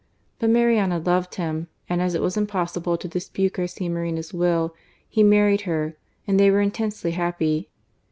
But Mariana loved him; and as it was impossible to dispute Garcia Moreno's will, he married her, and they were intensely happy.